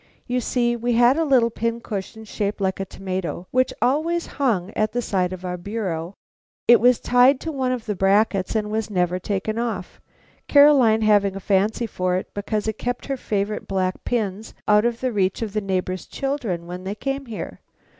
You see, we had a little pin cushion shaped like a tomato which always hung at the side of our bureau. It was tied to one of the brackets and was never taken off; Caroline having a fancy for it because it kept her favorite black pins out of the reach of the neighbor's children when they came here.